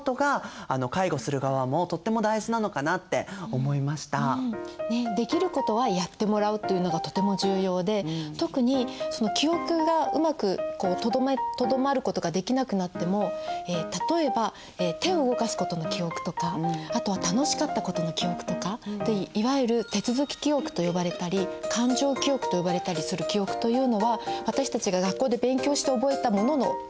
おじいちゃんたちもできることはやってもらうっていうのがとても重要で特に記憶がうまくとどまることができなくなっても例えば手を動かすことの記憶とかあとは楽しかったことの記憶とかいわゆる手続き記憶と呼ばれたり感情記憶と呼ばれたりする記憶というのは私たちが学校で勉強して覚えたものの記憶よりもうんと残るんです。